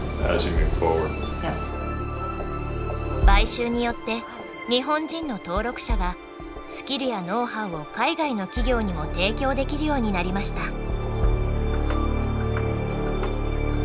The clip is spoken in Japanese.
買収によって日本人の登録者がスキルやノウハウを海外の企業にも提供できるようになりました。